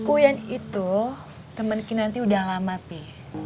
uyan itu temen ki nanti udah lama pi